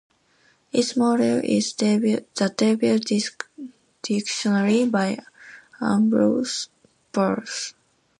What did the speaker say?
Its model is "The Devil's Dictionary" by Ambrose Bierce.